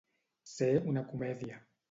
Ser una comèdia.